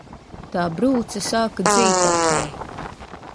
Tā brūce sāka dzīt atkal.